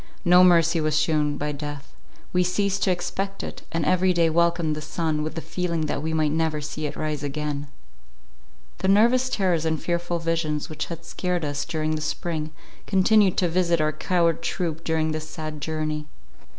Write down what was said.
No mercy was shewn by death; we ceased to expect it, and every day welcomed the sun with the feeling that we might never see it rise again. The nervous terrors and fearful visions which had scared us during the spring, continued to visit our coward troop during this sad journey.